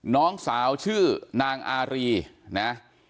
น้องสาวชื่อนางอารีนะ